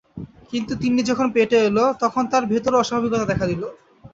কিন্তু তিন্নি যখন পেটে এল, তখন তার ভেতরেও অস্বাভাবিকতা দেখা দিল।